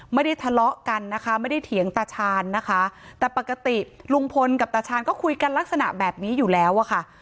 ไม่ได้ทะเลาะกันนะคะไม่ได้เถียงตาชาญนะคะแต่ปกติลุงพลกับตาชาญก็คุยกันลักษณะแบบนี้อยู่แล้วอะค่ะ